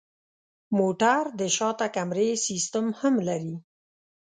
موټر د شاته کمرې سیستم هم لري.